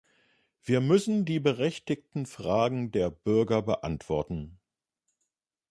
Wir müssen die berechtigten Fragen der Bürger beantworten.